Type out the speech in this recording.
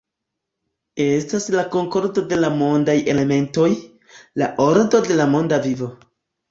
Estas la konkordo de la mondaj elementoj, la ordo de la monda vivo.